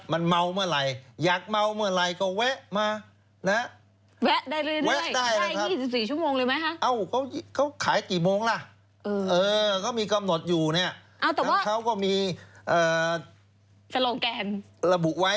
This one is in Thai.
มันเมาเมื่อไหร่อยากเมาเมื่อไหร่ก็แวะมานะ